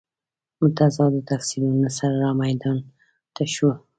متضادو تفسیرونو سره رامیدان ته شو.